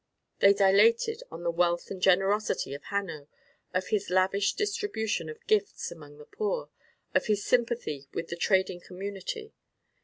They dilated on the wealth and generosity of Hanno, of his lavish distribution of gifts among the poor, of his sympathy with the trading community.